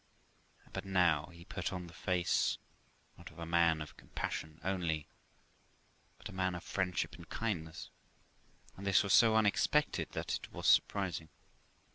But now he put on the face, not of a man of compassion only, but of a man of friendship and kindness, and this was so unexpected that it was surprising.